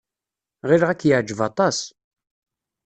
Ɣileɣ ad k-yeɛjeb aṭas.